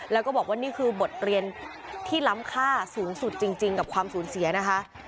แล้วก็บอกว่านี่คือบทเรียนที่ล้ำค่าสูงสุดจริงกับความสูญเสียนะคะ